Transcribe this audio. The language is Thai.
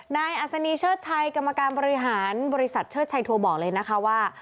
อัศนีเชิดชัยกรรมการบริหารบริษัทเชิดชัยโทรบอกเลยนะคะว่า